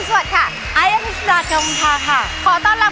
ขอต้อนรับเพื่อนหน้าความสุขของคุณค่ะ